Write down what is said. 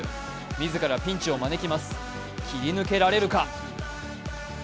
自ら、ピンチを招きます切り抜けられるか。